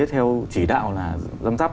theo chỉ đạo là giám sát